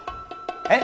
えっ？